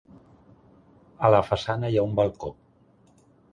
A la façana hi ha un balcó.